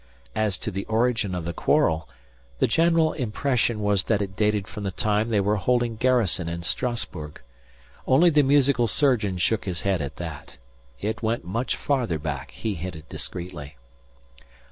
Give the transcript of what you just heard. As to the origin of the quarrel, the general impression was that it dated from the time they were holding garrison in Strasburg. Only the musical surgeon shook his head at that. It went much farther back, he hinted discreetly.